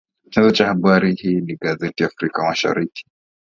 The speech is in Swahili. Chanzo cha habari hii ni gazeti la Afrika Mashariki.